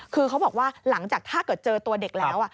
คือเขาบอกว่าหลังจากถ้าเกิดเจอตัวเด็กแล้ว